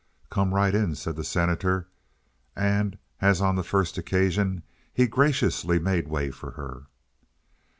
"Come right in," said the Senator; and, as on the first occasion, he graciously made way for her.